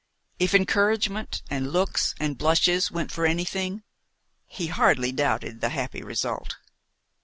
If encouragement and looks and blushes went for anything, he hardly doubted the happy result.